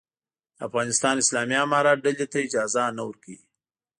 د افغانستان اسلامي امارت ډلې ته اجازه نه ورکوي.